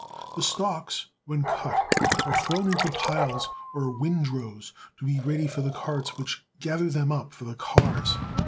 The stalks, when cut, are thrown into piles or windrows to be ready for the carts which gather them up for the cars.